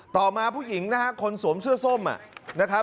ต่อมาผู้หญิงนะฮะคนสวมเสื้อส้มนะครับ